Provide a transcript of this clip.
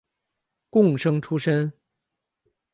贡生出身。